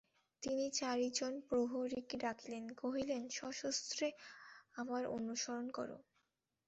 তিনি চারিজন প্রহরীকে ডাকিলেন, কহিলেন, সশস্ত্রে আমার অনুসরণ করো।